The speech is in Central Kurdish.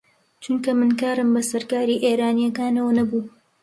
چونکە من کارم بە سەر کاری ئێرانییەکانەوە نەبوو